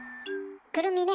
くるみね。